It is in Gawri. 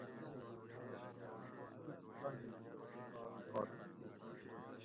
شِٹ چاگیں کیر شاک باٹ ݭجنت